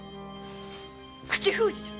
口封じじゃ！